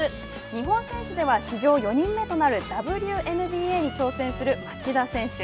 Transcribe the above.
日本選手では史上４人目となるＷＮＢＡに挑戦する町田選手。